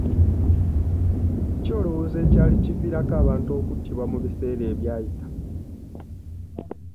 Ki olowooza ekyali kiviirako abantu okuttibwa mu biseera ebyayita?